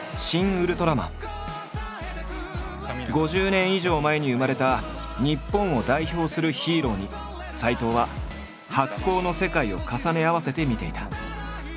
５０年以上前に生まれた日本を代表するヒーローに斎藤は発酵の世界を重ね合わせて見ていた。